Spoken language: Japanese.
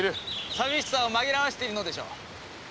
さみしさをまぎらわせているのでしょう。